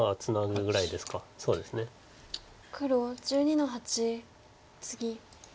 黒１２の八ツギ。